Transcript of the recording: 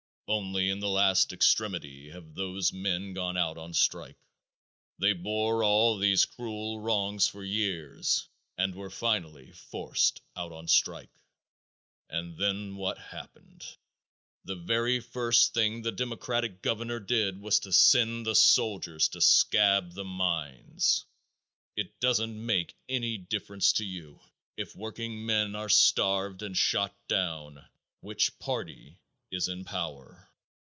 Only in the last extremity have those men gone out on strike. They bore all these cruel wrongs for years and were finally forced out on strike. And then what happened? The very first thing the democratic governor did was to send the soldiers to scab the mines. It doesn't make any difference to you, if workingmen are starved and shot down, which party is in power.